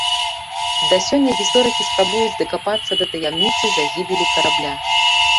Да сёння гісторыкі спрабуюць дакапацца да таямніцы загібелі карабля.